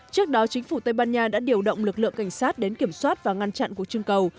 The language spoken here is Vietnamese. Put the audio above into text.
trước đó chính phủ tây ban nha đã điều động lực lượng cảnh sát đến kiểm soát và ngăn chặn cuộc trưng cầu